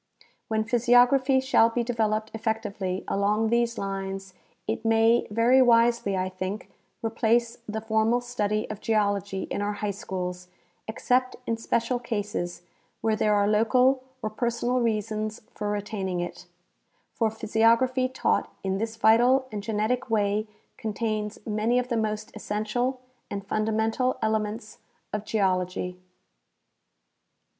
When physiography shall be developed effectively along these lines, it may very wisely, I think, replace the formal study of geology in our high schools except in special cases where there are local or personal reasons for retaining it, for physiography taught in this vital and genetic wa}^ contains many of the most essential and fundamental elements of geology.